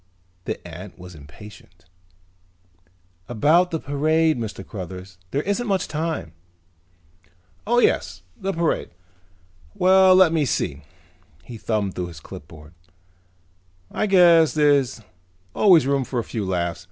The ant was impatient. "About the parade, Mr. Cruthers, there isn't much time." "Oh, yes, the parade. Well, let me see," he thumbed through the clipboard, "I guess there's always room for a few laughs.